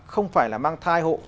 không phải là mang thai hộ